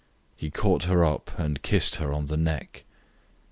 He caught her up and kissed her on the neck.